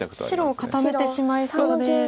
白を固めてしまいそうで。